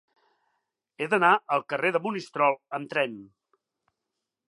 He d'anar al carrer de Monistrol amb tren.